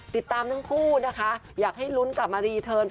ติดตามทั้งคู่นะคะอยากให้ลุ้นกลับมารีเทิร์น